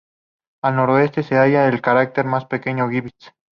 Al noreste se halla el cráter más pequeño Gibbs.